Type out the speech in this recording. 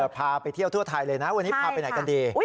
พาไปเที่ยวทั่วไทยเลยนะวันนี้พาไปไหนกันดี